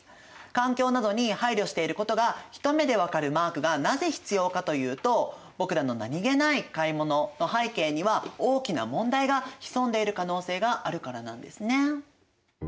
環境などに配慮していることが一目で分かるマークがなぜ必要かというと僕らの何気ない買い物の背景には大きな問題が潜んでいる可能性があるからなんですね。